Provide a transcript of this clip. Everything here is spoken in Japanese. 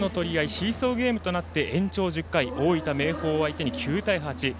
シーソーゲームとなって大分、明豊相手に９対８。